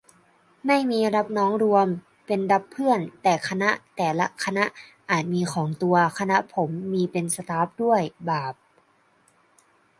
ไม่มีรับน้องรวม เป็นรับเพื่อน แต่คณะแต่ละคณะอาจมีของตัว คณะผมมี เป็นสต๊าฟด้วย บาป